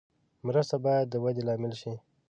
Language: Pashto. مرسته باید د ودې لامل شي.